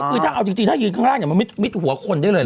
คือถ้าเอาจริงถ้ายืนข้างล่างมันมิดหัวคนได้เลย